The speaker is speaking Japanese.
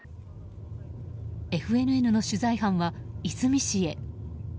ＦＮＮの取材班は出水市へ。